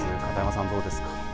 片山さん、どうですか？